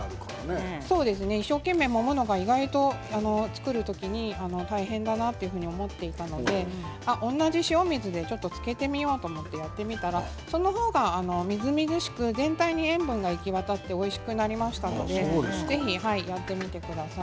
一生懸命、もむのが意外と作る時に大変だなと思っていたので同じ塩水でつけてみようと思ったらその方がみずみずしく全体に塩分が行き渡っておいしくなりましたのでぜひやってみてください。